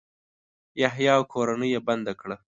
یحیی او کورنۍ یې بنده کړه.